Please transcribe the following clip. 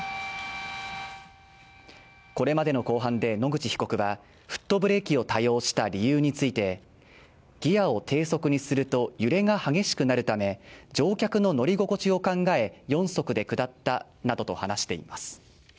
これまでの公判で野口被告はフットブレーキを多用した理由について、ギアを低速にすると揺れが激しくなるため乗客の乗り心地を考え、４速で下ったなどと話しています。